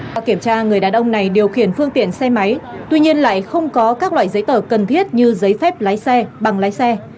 qua kiểm tra người đàn ông này điều khiển phương tiện xe máy tuy nhiên lại không có các loại giấy tờ cần thiết như giấy phép lái xe bằng lái xe